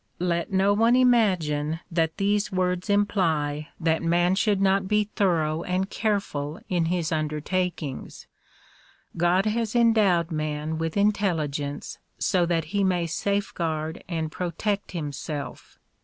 Let no one imagine that these words imply that man should not 46 THE P'RO:\IULGATION OF UNIVERSAL PEACE be thorough and careful in his undertakings. God has endowed man with intelligence so that he may safeguard and protect him self.